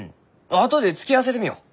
あとで突き合わせてみよう。